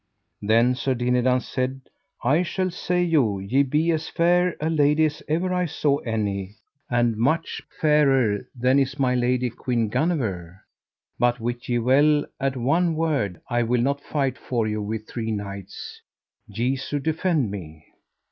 Then Sir Dinadan said: I shall say you ye be as fair a lady as ever I saw any, and much fairer than is my lady Queen Guenever, but wit ye well at one word, I will not fight for you with three knights, Jesu defend me.